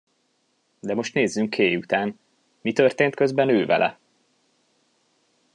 De most nézzünk Kay után: mi történt közben ővele?